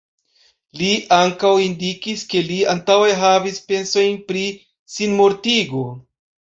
Li ankaŭ indikis, ke li antaŭe havis pensojn pri sinmortigo.